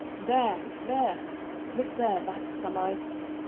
"There, there; look there, Bath Zabbai!"